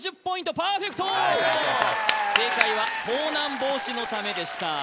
パーフェクト正解は盗難防止のためでした